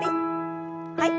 はい。